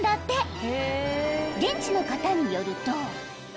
［現地の方によると］